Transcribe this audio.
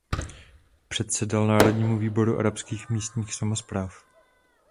Předsedal Národnímu výboru arabských místních samospráv.